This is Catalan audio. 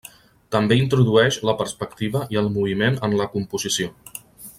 També introdueix la perspectiva i el moviment en la composició.